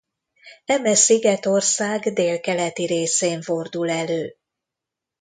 Eme szigetország délkeleti részén fordul elő.